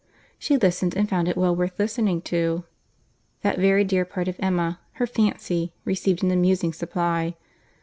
She listened, and found it well worth listening to. That very dear part of Emma, her fancy, received an amusing supply.